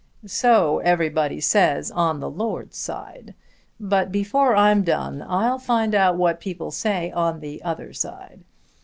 "So everybody says on the lord's side. But before I'm done I'll find out what people say on the other side.